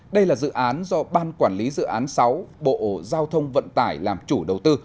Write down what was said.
đây là dự án do ban quản lý dự án sáu bộ giao thông vận tải làm chủ đầu tư